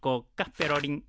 ペロリン。